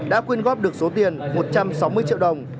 đã quyên góp được số tiền một trăm sáu mươi triệu đồng